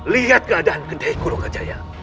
lihat keadaan kedeku lokajaya